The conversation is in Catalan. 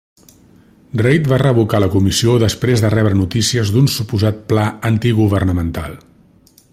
Reid va revocar la comissió després de rebre notícies d'un suposat pla antigovernamental.